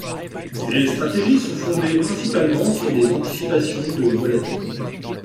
Ces stratégies sont fondées principalement sur des anticipations de volatilité.